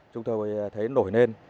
chúng tôi thấy nổi lên